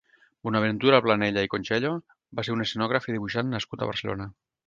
Bonaventura Planella i Conxello va ser un escenògraf i dibuixant nascut a Barcelona.